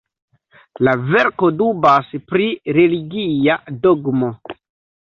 La verko dubas pri religia dogmo.